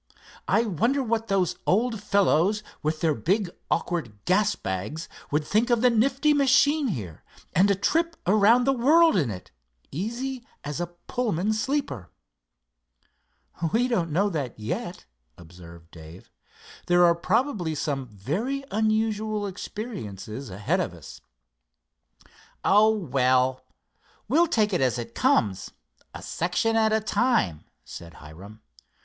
"I wonder what those old fellows with their big awkward gas bags would think of the nifty machine here, and a trip around the world in it, easy as a Pullman sleeper." "We don't know that yet," observed Dave. "There are probably some very unusual experiences ahead of us." "Oh, well, we'll take it as it comes, a section at a time," said Hiram.